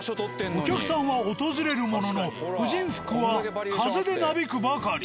お客さんは訪れるものの婦人服は風でなびくばかり。